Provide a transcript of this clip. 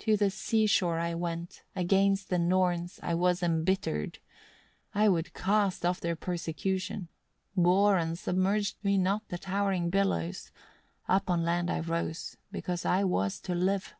"To the sea shore I went, against the Norns I was embittered; I would cast off their persecution; bore, and submerged me not the towering billows; up on land I rose, because I was to live.